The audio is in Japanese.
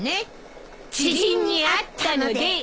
「知人に会ったので」